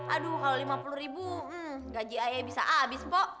aduh kalau rp lima puluh gaji ayah bisa abis mpok